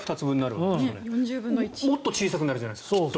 もっときっと小さくなるじゃないですか。